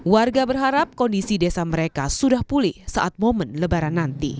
warga berharap kondisi desa mereka sudah pulih saat momen lebaran nanti